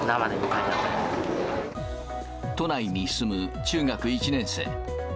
都内に住む中学１年生。